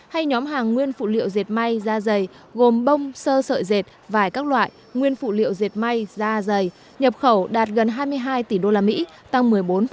hay nhóm hàng nguyên phụ liệu dệt may da dày gồm bông sơ sợi dệt vải các loại nguyên phụ liệu dệt may da dày nhập khẩu đạt gần hai mươi hai tỷ usd tăng một mươi bốn